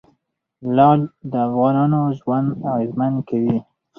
لعل د افغانانو ژوند اغېزمن کوي.